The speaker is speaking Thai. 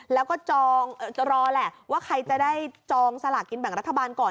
แล้วก็จองจะรอแหละว่าใครจะได้จองสลากกินแบ่งรัฐบาลก่อน